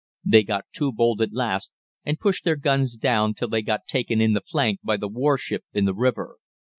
They got too bold at last, and pushed their guns down till they got taken in the flank by the warship in the river.